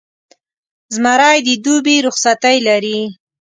زمری د دوبي رخصتۍ لري.